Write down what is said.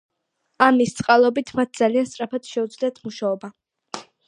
ამის წყალობით მათ ძალიან სწრაფად შეუძლიათ მუშაობა.